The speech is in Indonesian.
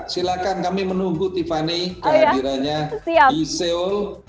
silahkan kami menunggu tiffany kehadirannya di seoul